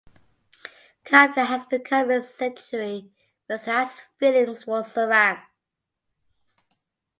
Kavya has become his secretary but still has feelings for Sarang.